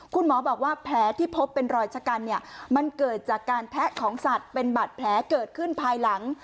คุณหมอบอกว่าแผลที่พบเป็นรอยชะกันเนี่ยมันเกิดจากการแทะของสัตว์เป็นบาดแผลเกิดขึ้นภายหลัง